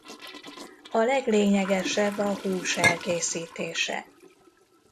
A leglényegesebb a hús elkészítése.